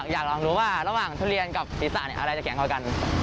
อยากลองดูว่าระหว่างทุเรียนกับศีรษะอะไรจะแข็งพอกัน